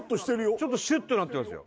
ちょっとシュッとなってますよ